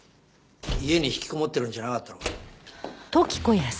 家にひきこもってるんじゃなかったのか？